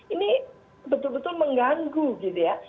ini betul betul mengganggu gitu ya